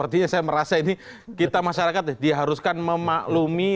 artinya kita ingin memahami